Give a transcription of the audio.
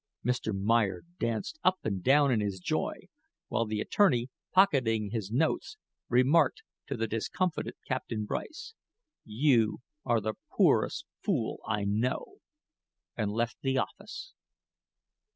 Mr. Meyer danced up and down in his joy, while the attorney, pocketing his notes, remarked to the discomfited Captain Bryce: "You are the poorest fool I know," and left the office.